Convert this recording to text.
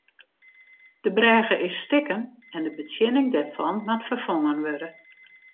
De brêge is stikken en de betsjinning dêrfan moat ferfongen wurde.